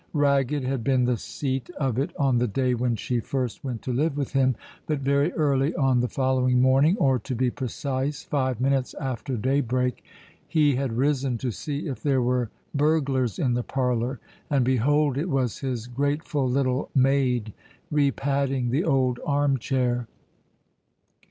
Ragged had been the seat of it on the day when she first went to live with him, but very early on the following morning, or, to be precise, five minutes after daybreak, he had risen to see if there were burglars in the parlour, and behold, it was his grateful little maid repadding the old arm chair.